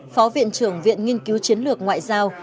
phó viện trưởng viện nghiên cứu chiến lược ngoại giao